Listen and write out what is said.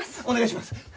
お願いします！